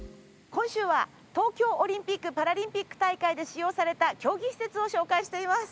今週は東京オリンピックパラリンピック大会で使用された競技施設を紹介しています。